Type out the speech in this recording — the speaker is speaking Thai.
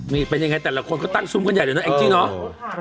นี่เป็นยังไงแต่ละคนก็ตั้งซุมขนใหญ่อยู่น่ะเอ็งจี้เนอะ